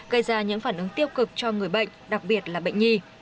gây ra những phản ứng tiêu cực cho người bệnh đặc biệt là bệnh nhi